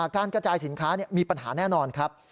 การกระจายสินค้ามีปัญหาแน่นอนครับ